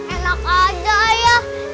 enak aja ayah